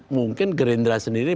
mungkin gerindra sendiri